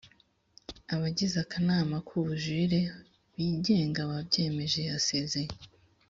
abagize akanama kubujurire kigenga babyemeje yasezeye